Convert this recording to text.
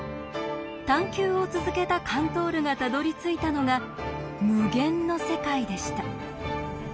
探求を続けたカントールがたどりついたのが「無限」の世界でした。